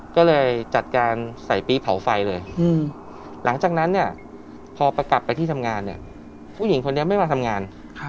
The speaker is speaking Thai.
ก็เลยจัดการใส่ปี๊เผาไฟเลยหลังจากนั้นเนี่ยพอกลับไปที่ทำงานเนี่ยผู้หญิงคนนี้ไม่มาทำงาน